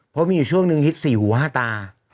เพราะมีช่วงนึงคิด๔หัว๕ตา